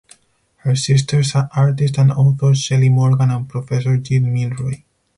Her sisters are artist and author Sally Morgan and professor Jill Milroy.